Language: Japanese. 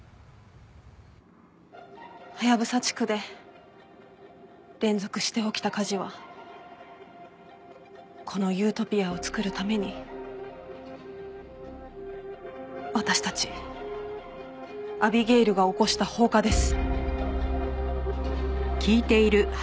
ハヤブサ地区で連続して起きた火事はこのユートピアをつくるために私たちアビゲイルが起こした放火です。